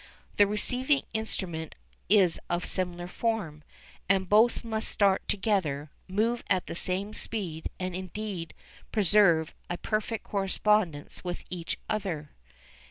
The receiving instrument is of similar form, and both must start together, move at the same speed and indeed preserve a perfect correspondence with each other.